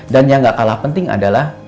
dan yang gak kalah penting adalah